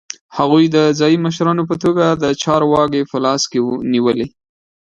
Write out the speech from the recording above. هغوی د ځايي مشرانو په توګه د چارو واګې په لاس کې نیولې.